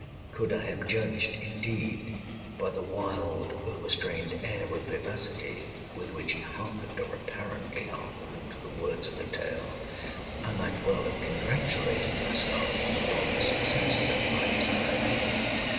Could I have judged, indeed, by the wild overstrained air of vivacity with which he harkened, or apparently harkened, to the words of the tale, I might well have congratulated myself upon the success of my design.